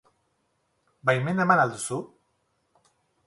Baimena eman al duzu?